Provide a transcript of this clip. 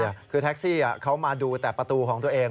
เดี๋ยวเดี๋ยวคือแท็กซี่อะเขามาดูแต่ประตูของตัวเอง